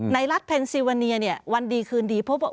รัฐเพนซิวาเนียเนี่ยวันดีคืนดีพบว่า